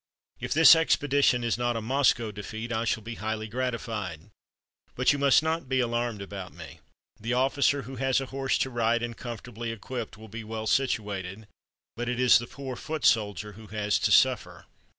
If this expedition is not a Moscow defeat, I shall be highly gratified. But you must not be alarmed about me. The officer who has a horse to ride and comfortably equipped will be well situated, but it is the poor foot soldier who has to suffer."